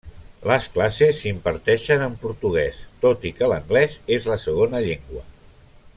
Les classes s'imparteixen en portuguès, tot i que anglès és la segona llengua.